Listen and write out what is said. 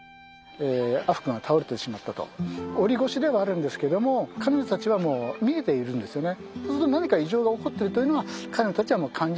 オリ越しではあるんですけども彼女たちはもう見えているんですよね。